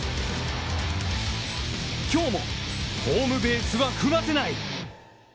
きょうも、ホームベースは踏ませない。